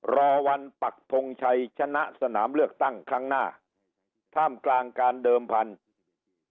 รอวันปักทงชัยชนะสนามเลือกตั้งครั้งหน้าท่ามกลางการเดิมพันธุ์